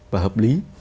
và hợp lý